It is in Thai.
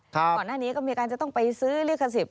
ก่อนหน้านี้ก็มีการจะต้องไปซื้อลิขสิทธิ